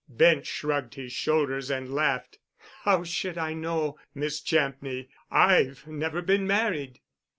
Bent shrugged his shoulders and laughed. "How should I know, Miss Champney? I've never been married."